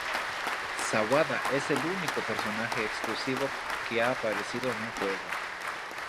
Sawada es el único personaje exclusivo que ha aparecido en un juego.